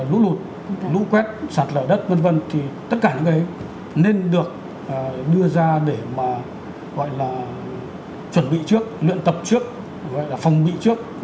lũ lụt lũ quét sạt lở đất v v thì tất cả những cái nên được đưa ra để mà gọi là chuẩn bị trước luyện tập trước gọi là phòng bị trước